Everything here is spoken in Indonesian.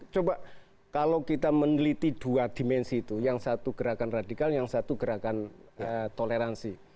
coba kalau kita meneliti dua dimensi itu yang satu gerakan radikal yang satu gerakan toleransi